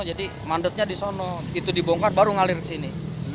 jadi mandetnya di sana itu dibongkar baru ngalir ke sini